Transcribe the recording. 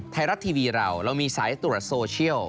ไทยรัฐทีวีเราเรามีสายตรวจโซเชียล